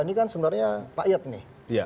ini kan sebenarnya rakyat nih